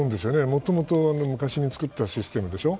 もともと昔に作ったシステムでしょ。